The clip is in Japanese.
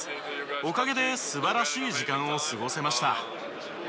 おかげで素晴らしい時間を過ごせました。